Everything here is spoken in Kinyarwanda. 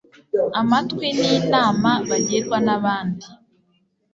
amatwi n'inama bagirwa n'abandi